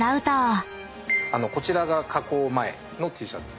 こちらが加工前のＴシャツ。